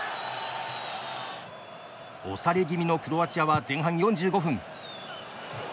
押され気味のクロアチアは前半４５分。